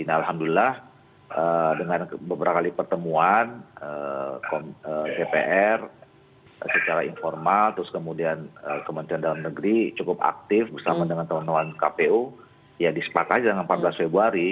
alhamdulillah dengan beberapa kali pertemuan dpr secara informal terus kemudian kementerian dalam negeri cukup aktif bersama dengan teman teman kpu ya disepakai dengan empat belas februari